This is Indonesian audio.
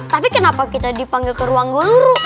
tapi kenapa kita dipanggil ke ruang guru